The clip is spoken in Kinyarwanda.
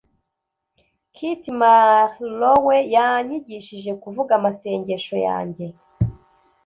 Kit Marlowe yanyigishije kuvuga amasengesho yanjye: